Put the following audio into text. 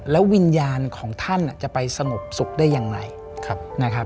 แล้ววิญญาณของท่านจะไปสงบสุขได้อย่างไรนะครับ